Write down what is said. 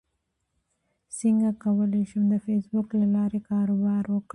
څنګه کولی شم د فېسبوک له لارې کاروبار وکړم